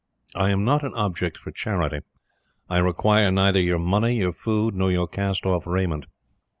I am not an object for charity. I require neither your money, your food, nor your cast off raiment.